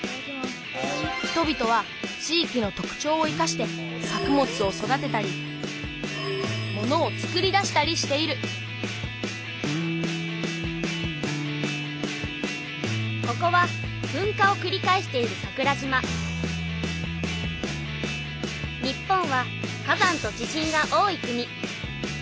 人々は地域の特長を生かして作物を育てたりものをつくり出したりしているここはふんかをくり返している日本は火山と地震が多い国